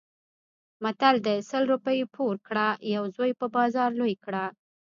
متل دی: سل روپۍ پور کړه یو زوی په بازار لوی کړه.